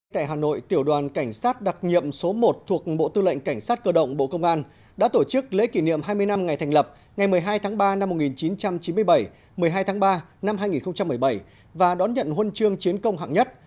tại hà nội tiểu đoàn cảnh sát đặc nhiệm số một thuộc bộ tư lệnh cảnh sát cơ động bộ công an đã tổ chức lễ kỷ niệm hai mươi năm ngày thành lập ngày một mươi hai tháng ba năm một nghìn chín trăm chín mươi bảy một mươi hai tháng ba năm hai nghìn một mươi bảy và đón nhận huân chương chiến công hạng nhất